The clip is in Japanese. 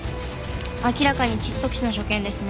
明らかに窒息死の所見ですね。